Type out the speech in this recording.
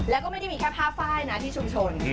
แล้วก็ไม่ได้มีแค่ผ้าไฟล์นะที่ชุมชน